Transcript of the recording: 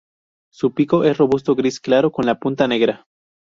Su pico es robusto, gris claro con la punta negra.